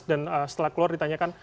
dan setelah keluar ditanyakan